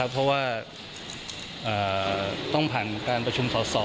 เพราะว่าต้องผ่านการประชุมสอสอ